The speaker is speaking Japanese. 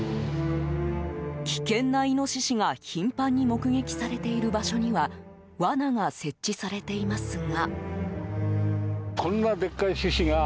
危険なイノシシが頻繁に目撃されている場所にはわなが設置されていますが。